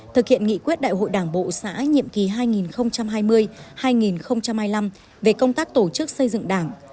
thực hiện nghị quyết đại hội đảng bộ xã nhiệm kỳ hai nghìn hai mươi hai nghìn hai mươi năm về công tác tổ chức xây dựng đảng